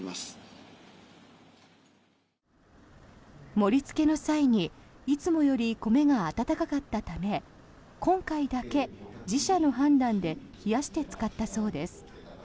盛りつけの際にいつもより米が温かかったため今回だけ、自社の判断で冷やして使ったそうです。